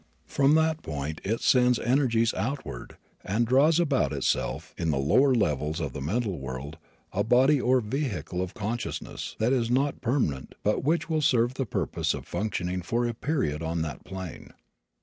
From that point it sends energies outward and draws about itself in the lower levels of the mental world a body, or vehicle of consciousness, that is not permanent but which will serve the purpose of functioning for a period on that plane.